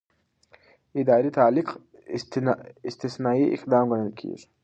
اداري تعلیق استثنايي اقدام ګڼل کېږي.